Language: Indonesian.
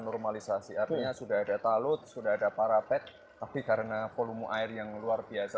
normalisasi artinya sudah ada talut sudah ada parapet tapi karena volume air yang luar biasa